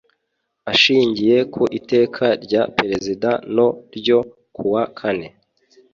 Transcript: Ashingiye ku Iteka rya Perezida no ryo kuwa kane